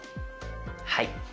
はい。